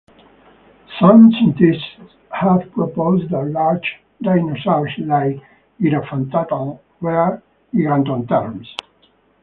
Some scientists have proposed that large dinosaurs like "Giraffatitan" were gigantotherms.